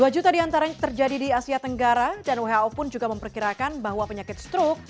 dua juta di antara yang terjadi di asia tenggara dan who pun juga memperkirakan bahwa penyakit struk